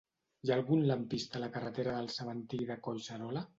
Hi ha algun lampista a la carretera del Cementiri de Collserola?